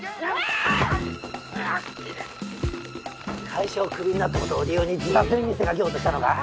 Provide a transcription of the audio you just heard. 会社をクビになったことを理由に自殺に見せかけようとしたのか？